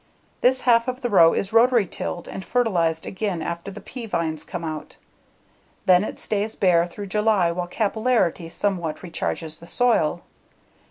This half of the row is rotary tilled and fertilized again after the pea vines come out. Then it stays bare through July while capillarity somewhat recharges the soil.